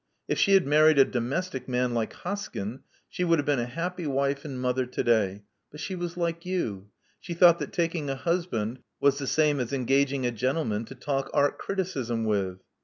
If she had married a domestic man like Hoskyn, she would have been a happy wife and mother to day. But she was like you : she thought that taking a hus band was the same thing as engaging a gentleman to talk art criticism with."